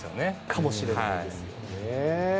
かもしれないですよね。